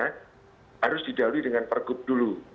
harus didalui dengan per gub dulu